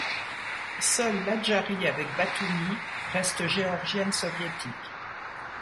Seule l'Adjarie avec Batoumi restent géorgiennes soviétiques.